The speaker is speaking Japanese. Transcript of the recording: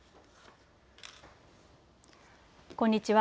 こんにちは。